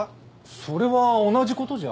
それは同じ事じゃ？